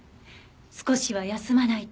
少しは休まないと。